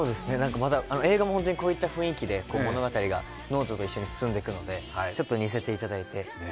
映画もこういった雰囲気で、こうやってノートと一緒に進んでいくので、ちょっと似せていただいて。